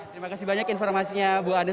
terima kasih banyak informasinya bu anies